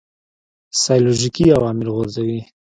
سایکولوژیکي عوامل غورځوي.